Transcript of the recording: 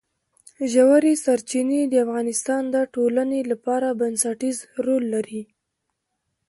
ژورې سرچینې د افغانستان د ټولنې لپاره بنسټيز رول لري.